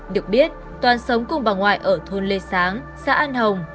được biết toàn sống cùng bà ngoại ở thôn lê sáng xã an hồng